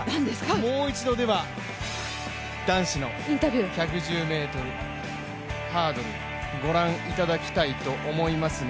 もう一度では、男子の１１０ｍハードルご覧いただきたいと思いますが。